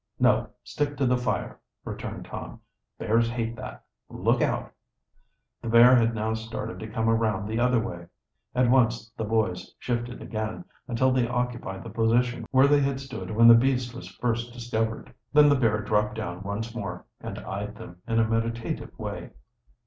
"No stick to the fire," returned Tom. "Bears hate that. Look out!" The bear had now started to come around the other way. At once the boys shifted again, until they occupied the position where they had stood when the beast was first discovered. Then the bear dropped down once more, and eyed them in a meditative way.